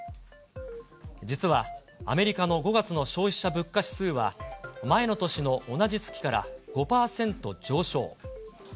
実は、アメリカの５月の消費者物価指数は、前の年の同じ月から５％上昇。